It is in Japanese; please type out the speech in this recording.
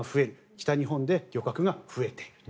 北日本で漁獲が増えていると。